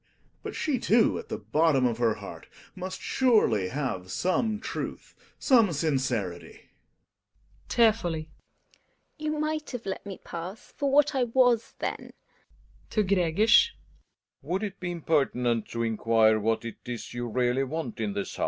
But she, too, at the bottom of her heart must surely have some truth, some sincerity. GiNA (tearfully). You might have let me pass for what I icas then ? Relling {to Gregers). Would it be impertinent to inquire, what it is you really want in this house